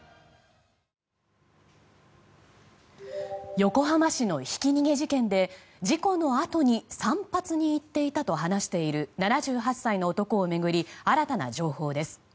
横浜市のひき逃げ事件で事故のあとに散髪に行っていたと話している７８歳の男を巡り新たな情報です。